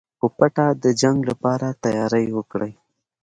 په پټه د جنګ لپاره تیاری وکړئ.